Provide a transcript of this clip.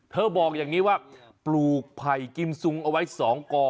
บอกอย่างนี้ว่าปลูกไผ่กิมซุงเอาไว้๒กอ